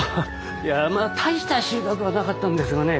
いや大した収穫はなかったんですがね